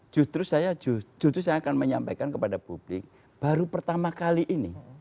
jutru saya akan menyampaikan kepada publik baru pertama kali ini